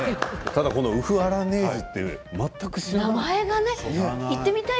ただ、このウフアラネージュって全く知らなかった。